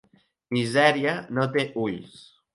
Misèria no té ulls.